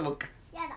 やだ。